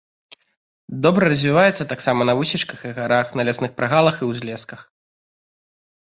Добра развіваецца таксама на высечках і гарах, на лясных прагалах і ўзлесках.